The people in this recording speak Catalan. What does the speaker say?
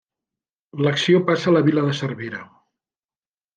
L'acció passa a la vila de Cervera.